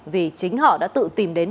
vì chính họ đã tự tìm đến